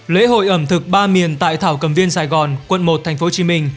lễ hội ẩm thực ba miền tại thảo cầm viên sài gòn quận một tp hcm